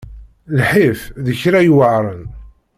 Lḥif d kra yuɛren.